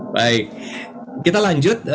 baik kita lanjut